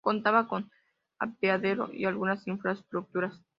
Contaba con un apeadero y algunas infraestructuras.